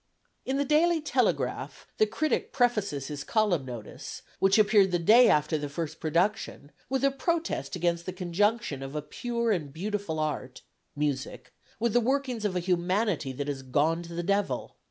In the Daily Telegraph the critic prefaces his column notice, which appeared the day after the first production, with a protest against the conjunction of a pure and beautiful art music with the workings of a humanity that has gone to the devil.